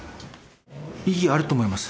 意義はあると思います。